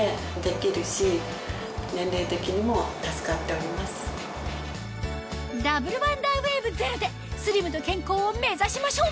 こちらは現在ダブルワンダーウェーブゼロでスリムと健康を目指しましょう